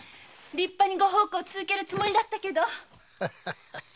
立派にご奉公を続けるつもりだったけど。